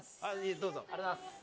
ありがとうございます。